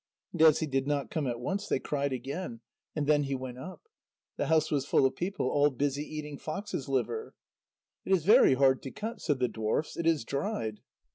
And as he did not come at once, they cried again. And then he went up. The house was full of people, all busy eating foxes' liver. "It is very hard to cut," said the dwarfs. "It is dried."